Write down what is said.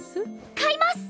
買います！